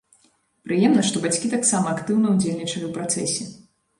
Прыемна, што бацькі таксама актыўна ўдзельнічалі ў працэсе.